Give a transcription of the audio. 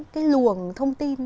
cái luồng thông tin